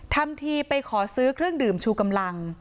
ทำทีไปขอซื้อเครื่องดื่มชูกำลัง